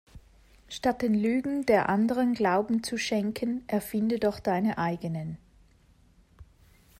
Statt den Lügen der Anderen Glauben zu schenken erfinde doch deine eigenen.